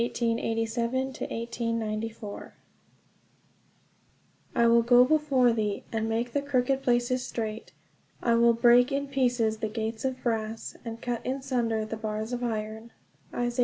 III "GO FORWARD ON YOUR KNEES" 1887 1894 "I will go before thee, and make the crooked places straight: I will break in pieces the gates of brass, and cut in sunder the bars of iron" (Isa.